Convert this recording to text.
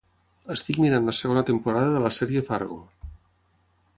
Estic mirant la segona temporada de la sèrie Fargo.